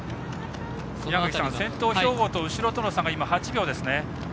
先頭、兵庫と後ろとの差が８秒ですね。